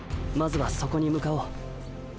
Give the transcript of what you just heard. まずはそこに向かおう。